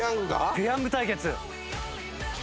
ペヤング対決。